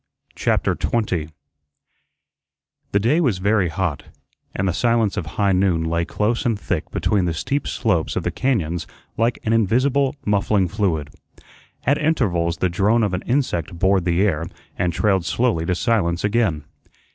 CHAPTER 20 The day was very hot, and the silence of high noon lay close and thick between the steep slopes of the cañóns like an invisible, muffling fluid. At intervals the drone of an insect bored the air and trailed slowly to silence again.